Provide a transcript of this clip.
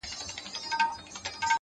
لوړ همت د خنډونو سیوري لنډوي؛